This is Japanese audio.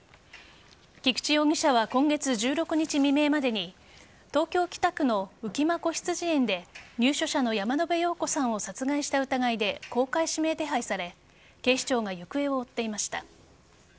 菊池容疑者は今月１６日未明までに東京・北区の浮間こひつじ園で入所者の山野辺陽子さんを殺害した疑いで公開指名手配され警視庁が行方を追っていました。